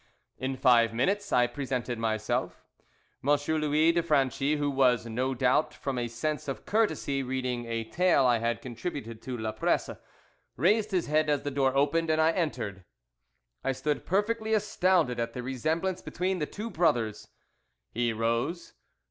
In five minutes I presented myself. M. Louis do Franchi who was, no doubt from a sense of courtesy, reading a tale I had contributed to La Presse, raised his head as the door opened, and I entered. I stood perfectly astounded at the resemblance between the two brothers. He rose.